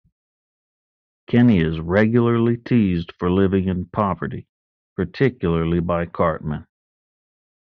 Kenny is regularly teased for living in poverty, particularly by Cartman.